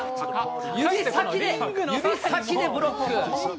指先で、指先でブロック。